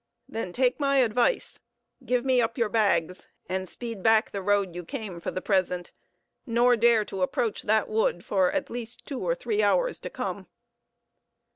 "Then take my advice: give me up your bags, and speed back the road you came for the present, nor dare to approach that wood for at least two or three hours to come."